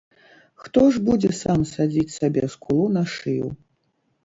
Хто ж будзе сам садзіць сабе скулу на шыю?